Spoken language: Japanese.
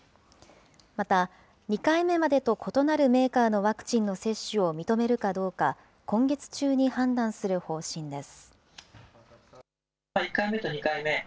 また、２回目までと異なるメーカーのワクチンの接種を認めるかどうか、今月中に判断する方針です。